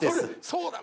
「そうだ。